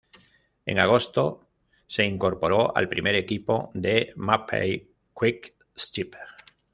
En agosto se incorporó al primer equipo de Mapei-Quick Step.